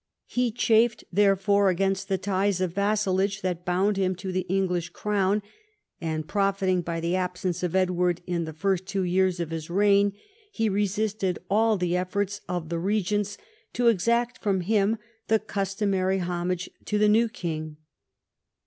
He chafed therefore against the ties of vassalage that bound him to the Eng lish crown, and, profiting by the absence of Edward in the first two years of his reign, he resisted all the efforts of the regents to exact from him the customary homage to the new king.